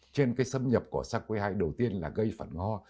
trên cái xâm nhập của sars cov hai đầu tiên là gây phản ứng ho